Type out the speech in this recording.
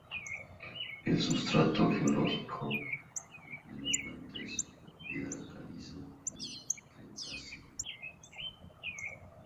El sustrato geológico de la planta es piedra caliza del cretáceo.